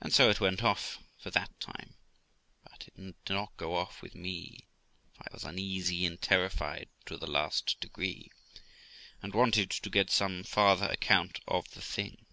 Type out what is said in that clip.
And so it went off for that time. But it did not go off with me; for I was uneasy and terrified to the last degree, and wanted to get some farther account of the thing.